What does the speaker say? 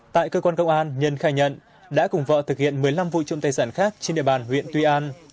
tại cơ quan công an nhân khai nhận đã cùng vợ thực hiện một mươi năm vụ trộm tài sản khác trên địa bàn huyện tuy an